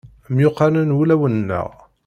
Myuqqanen wulawen-nneɣ.